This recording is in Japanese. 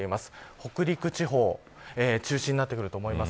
北陸地方、中心になってくると思います。